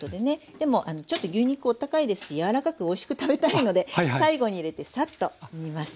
でもちょっと牛肉お高いですし柔らかくおいしく食べたいので最後に入れてさっと煮ます。